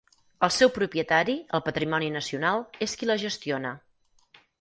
El seu propietari, el Patrimoni Nacional, és qui la gestiona.